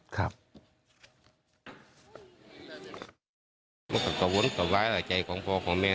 ครับ